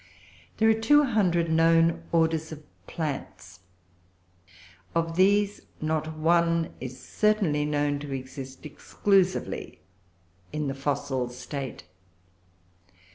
There are two hundred known orders of plants; of these not one is certainly known to exist exclusively in the fossil state.